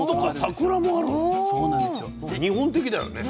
日本的だよね。